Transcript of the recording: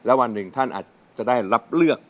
วันหนึ่งท่านอาจจะได้รับเลือก